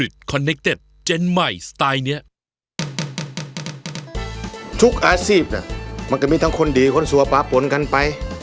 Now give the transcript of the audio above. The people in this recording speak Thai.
ทุกอาชีพมันก็มีทั้งคนดีคนสัวปลาปนกันไป